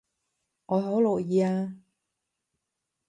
我好樂意啊